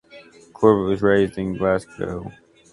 Corbett was raised in Glasgow.